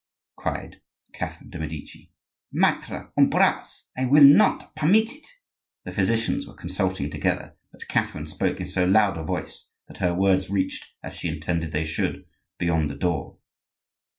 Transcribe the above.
cried Catherine de' Medici. "Maitre Ambroise, I will not permit it." The physicians were consulting together; but Catherine spoke in so loud a voice that her words reached, as she intended they should, beyond the door.